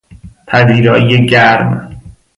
پذیرایی گرم